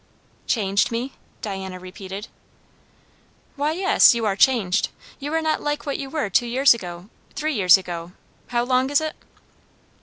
"Changed me?" Diana repeated. "Why, yes; you are changed. You are not like what you were two years ago three years ago how long is it."